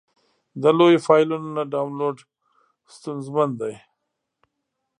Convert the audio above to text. د لویو فایلونو نه ډاونلوډ ستونزمن دی.